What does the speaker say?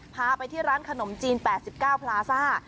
พาไปที่ร้านขนมจีนแปดสิบเก้าพลาซ่า